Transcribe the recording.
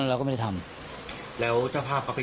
มาให้ให้แม่กุญแจเข้าไม่ว่าไง